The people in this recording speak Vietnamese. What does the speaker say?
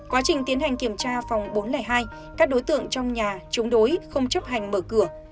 quá trình tiến hành kiểm tra phòng bốn trăm linh hai các đối tượng trong nhà chống đối không chấp hành mở cửa